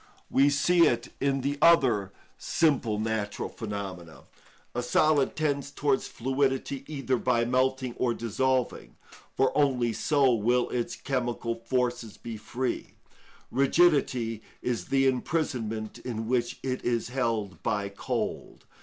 We see it in the other simple natural phenomena. A solid tends towards fluidity either by melting or dissolving, for only so will its chemical forces be free; rigidity is the imprisonment in which it is held by cold.